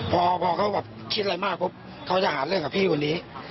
พอเขาแบบคิดอะไรมากปุ๊บเขาจะหาเรื่องกับพี่คนนี้